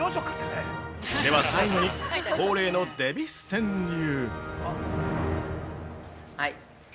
では最後に、恒例のデヴィ川柳。